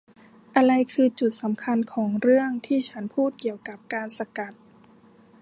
อะไรคือจุดสำคัญของเรื่องที่ฉันพูดเกี่ยวกับการสกัด ?